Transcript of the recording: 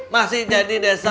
masih jadi desa